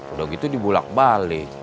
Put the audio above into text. udah gitu dibulak balik